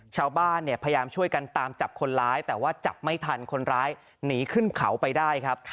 ชาวบ้านเนี่ยพยายามช่วยกันตามจับคนร้ายแต่ว่าจับไม่ทันคนร้ายหนีขึ้นเขาไปได้ครับ